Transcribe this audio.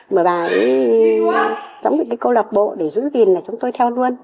mà bà ấy dõng dựng cơ lộ bộ để giữ gìn là chúng tôi theo luôn